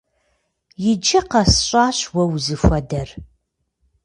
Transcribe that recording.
Иджы къэсщӏащ уэ узыхуэдэр.